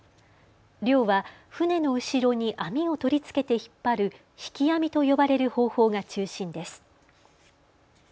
漁は船の後ろに網を取り付けて引っ張る引き網と呼ばれる方法が中心です。